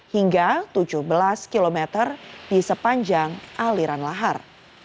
hingga tujuh belas km di sepanjang aliran lahar